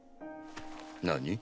何？